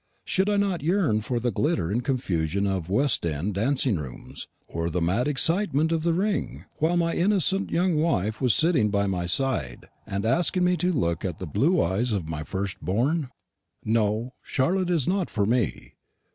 Should I not yearn for the glitter and confusion of West end dancing rooms, or the mad excitement of the ring, while my innocent young wife was sitting by my side and asking me to look at the blue eyes of my first born? No; Charlotte is not for me.